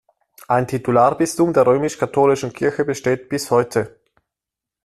Ein Titularbistum der römisch-katholischen Kirche besteht bis heute.